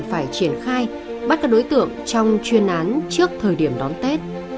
phải triển khai bắt các đối tượng trong chuyên án trước thời điểm đón tết